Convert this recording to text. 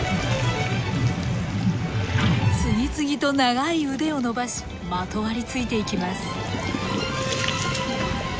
次々と長い腕を伸ばしまとわりついていきます。